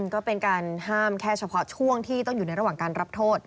ก็เป็นการห้ามแค่เฉพาะช่วงที่ต้องอยู่ในระหว่างการรับโทษ